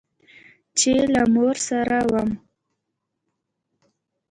چې له مور سره وم.